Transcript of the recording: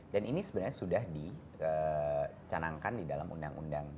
dan ini sebenarnya sudah dicanangkan di dalam undang undang